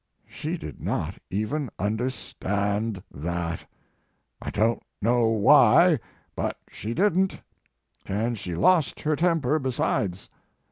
She did not even un derstand that; I don t know why, but she didn t, and she lost her temper be sides.